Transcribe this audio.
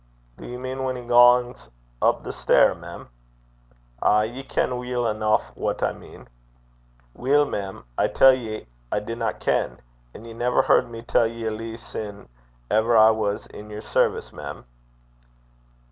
'Do ye mean whan he gangs up the stair, mem?' 'Ay. Ye ken weel eneuch what I mean.' 'Weel, mem, I tell ye I dinna ken. An' ye never heard me tell ye a lee sin' ever I was i' yer service, mem.'